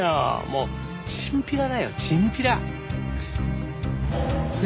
もうチンピラだよチンピラ。